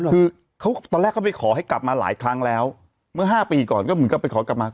คือเขาตอนแรกเขาไปขอให้กลับมาหลายครั้งแล้วเมื่อ๕ปีก่อนก็เหมือนกับไปขอกลับมา